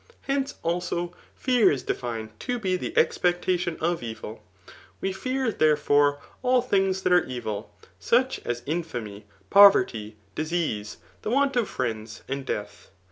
Henc^ also, fear i»4e6&ed to be the expectadldn of e^. ^We fear, Aere fisMy all things that are «f4i ; such as infamy, povmy, disease^ the want of friends, wd death.